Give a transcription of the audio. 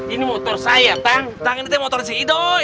ini motor saya tang tang ini tem motornya ido